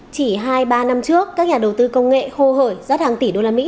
chỉ hai ba năm trước các nhà đầu tư công nghệ hô hởi giá tháng tỷ đô la mỹ